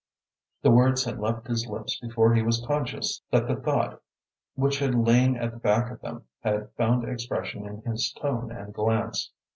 The words had left his lips before he was conscious that the thought which had lain at the back of them had found expression in his tone and glance.